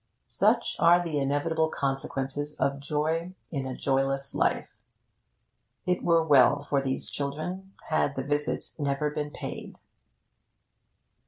Such are the inevitable consequences of joy in a joyless life. It were well for these children had 'The Visit' never been paid.